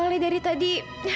soalnya dari tadi